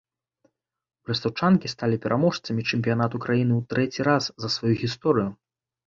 Брэстаўчанкі сталі пераможцамі чэмпіянату краіны ў трэці раз за сваю гісторыю.